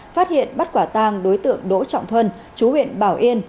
phát hiện bắt quả tang đối tượng đỗ trọng thuân chú huyện bảo yên